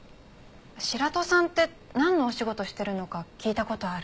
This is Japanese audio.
白土さんってなんのお仕事してるのか聞いた事ある？